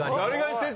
先生